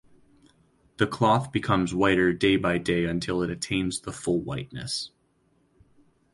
The cloth becomes whiter day by day until it attains the full whiteness.